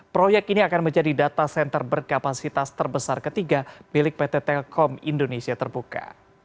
proyek ini akan menjadi data center berkapasitas terbesar ketiga milik pt telkom indonesia terbuka